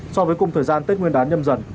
so với cùng thời gian tết nguyên đán nhâm dần